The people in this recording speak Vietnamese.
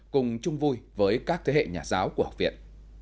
cùng chung vui với các thế hệ nhà giáo của học viện